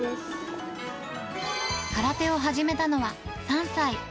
空手を始めたのは３歳。